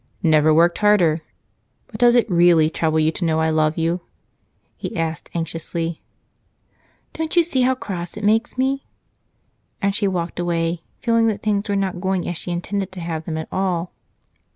"Never worked harder. But does it really trouble you to know I love you?" he asked anxiously. "Don't you see how cross it makes me?" And she walked away, feeling that things were not going as she intended to have them at all.